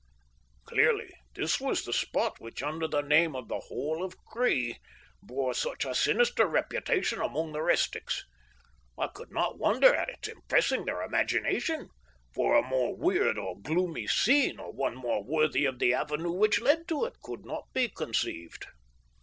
Clearly this was the spot which, under the name of the Hole of Cree, bore such a sinister reputation among the rustics. I could not wonder at its impressing their imagination, for a more weird or gloomy scene, or one more worthy of the avenue which led to it, could not be conceived.